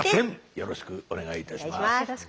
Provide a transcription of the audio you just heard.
よろしくお願いします。